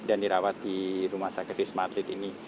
dan dirawat di rumah sakit wisma atlet ini